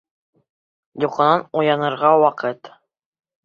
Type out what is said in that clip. Йоҡонан уянырға ваҡыт.